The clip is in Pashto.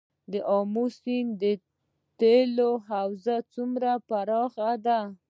د امو سیند تیلو حوزه څومره پراخه ده؟